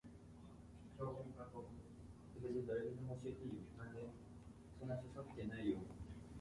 It is a working class agricultural area.